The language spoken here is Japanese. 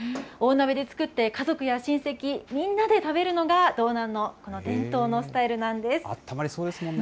大鍋で作って、家族や親戚、みんなで食べるのが道南の伝統のスタイルなんです。